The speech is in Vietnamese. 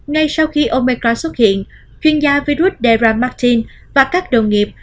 ngay sau khi omecra xuất hiện chuyên gia virus dera martin và các đồng nghiệp